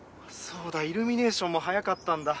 そうだイルミネーションも早かったんだ。